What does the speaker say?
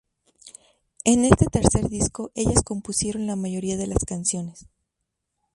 En este tercer disco ellas compusieron la mayoría de las canciones.